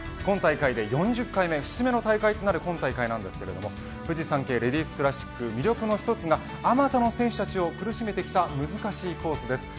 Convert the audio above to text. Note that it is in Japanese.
今大会で４０回目節目となるこの大会ですがフジサンケイレディスクラシック魅力の一つが、あまたの選手を苦しめてきた難しいコースです。